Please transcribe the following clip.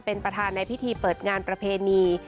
เป็นประธานในพิธีเปิดงานประเพณี